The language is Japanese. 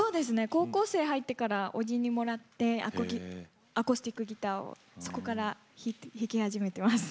高校生入ってからおじにもらってアコギアコースティックギターをそこから弾き始めてます。